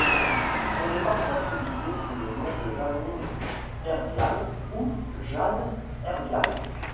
Elle est parfois créditée sous le nom de Jeanine Herviale ou Jeanne Hervialle.